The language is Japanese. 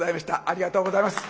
ありがとうございます。